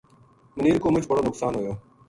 منیر کو مُچ بڑو نُقصان ہویو